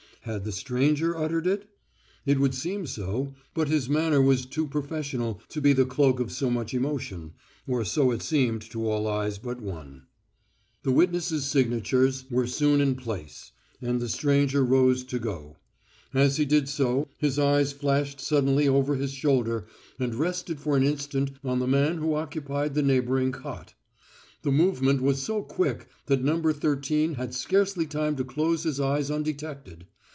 Had the stranger uttered it? It would seem so, but his manner was too professional to be the cloak of so much emotion, or so it seemed to all eyes but one. The witnesses' signatures were soon in place, and the stranger rose to go. As he did so his eyes flashed suddenly over his shoulder and rested for an instant on the man who occupied the neighboring cot. The movement was so quick that No. Thirteen had scarcely time to close his eyes undetected.